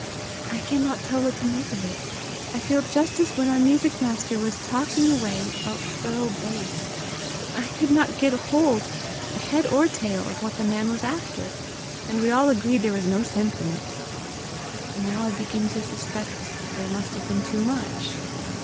I cannot tell what to make of it. I feel just as when our music master was talking away about thorough bass: I could not get hold, head or tail, of what the man was after, and we all agreed there was no sense in it. Now I begin to suspect there must have been too much!"